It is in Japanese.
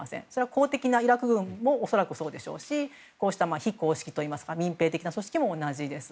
公的なイラク軍も恐らくそうでしょうし非公式といいますが民兵的な組織もそうです。